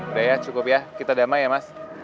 udah ya cukup ya kita damai ya mas